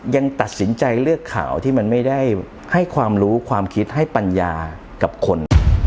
ยังตัดสินใจเลือกข่าวที่มันไม่ได้ให้ความรู้ความคิดให้ปัญญากับคน